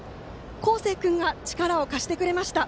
孝成君が力を貸してくれました。